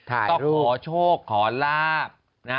ถ่ายรูปต้องขอโชคขอลาบ